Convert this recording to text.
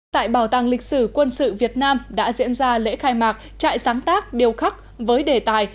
tại bảo tàng lịch sử quân sự việt nam đã diễn ra lễ khai mạc trại sáng tác điêu khắc với đề tài